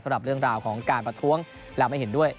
สำหรับเรื่องราวของการประท้วงและไม่เห็นด้วย